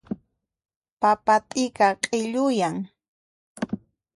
Papa t'ika q'illuyan.